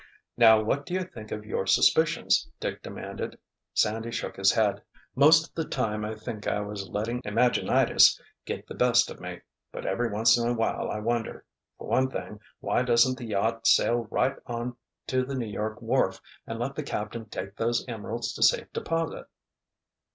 "Now what do you think of your suspicions?" Dick demanded. Sandy shook his head. "Most of the time I think I was letting imaginitis get the best of me—but every once in awhile I wonder—for one thing, why doesn't the yacht sail right on to the New York wharf and let the captain take those emeralds to safe deposit?"